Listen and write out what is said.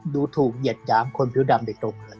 ดูถูกเหยียดยามคนผิวดำเด็กโดมเหลือ